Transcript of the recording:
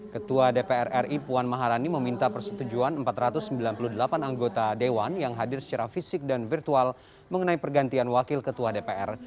ketua dpr ri puan maharani meminta persetujuan empat ratus sembilan puluh delapan anggota dewan yang hadir secara fisik dan virtual mengenai pergantian wakil ketua dpr